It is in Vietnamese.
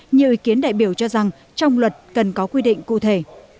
nhiều ý kiến đại biểu cho rằng trong luật cần có quy định cụ thể